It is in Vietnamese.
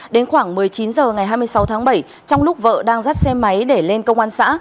đến khoảng một mươi chín h ngày hai mươi sáu tháng bảy trong lúc vợ đang dắt xe máy để lên công an xã